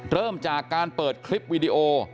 เริ่มจากการเปิดคลิปวิดีโอ